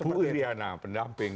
ibu riana pendamping